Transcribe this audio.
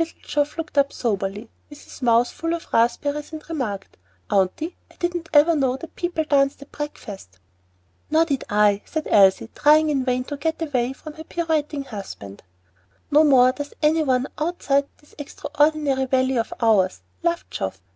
Little Geoff looked up soberly, with his mouth full of raspberries, and remarked, "Aunty, I didn't ever know that people danced at breakfast." "No more did I," said Elsie, trying in vain to get away from her pirouetting husband. "No more does any one outside this extraordinary valley of ours," laughed Geoff.